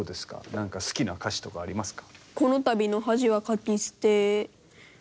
何か好きな歌詞とかありますか？